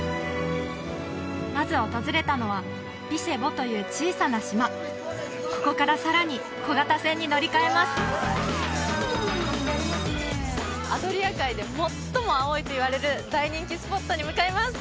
まず訪れたのはヴィシェボという小さな島ここからさらに小型船に乗り換えますといわれる大人気スポットに向かいます